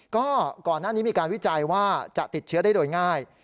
ก็ก่อนหน้านี้มีการวิจัยว่าจะติดเชื้อได้โดยง่าย